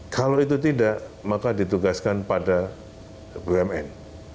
kalau itu tidak maka ditugaskan pada bumn